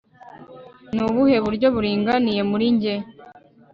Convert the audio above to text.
Ni ubuhe buryo buringaniye muri njye